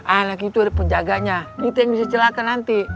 anak itu ada penjaganya itu yang bisa celaka nanti